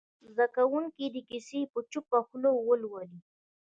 زده کوونکي دې کیسه په چوپه خوله ولولي.